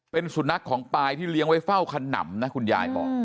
เป็นสุนัขของปลายที่เลี้ยงไว้เฝ้าขนำนะคุณยายบอก